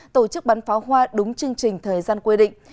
tổ chức bắn pháo hoa đúng chương trình thời gian quy định